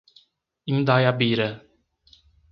Indaiabira